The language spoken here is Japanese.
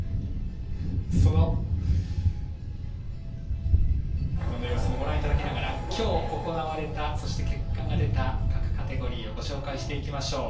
その様子もご覧いただきましたが今日行われた結果が出た各カテゴリーをご紹介していきましょう。